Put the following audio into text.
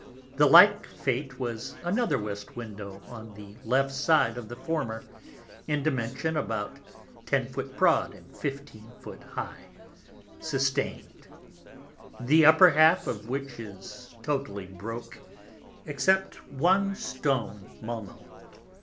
The like Fate has another West Window on the left side of the former, in Dimension about 10 Foot broad, and 15 Foot high, sustain'd; the upper half of which is totally broke, excepting one Stone Munnel.